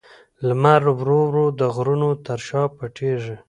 لمر ورو ورو د غرونو تر شا پټېږي.